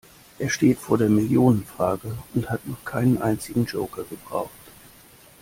Er steht vor der Millionenfrage und hat noch keinen einzigen Joker gebraucht.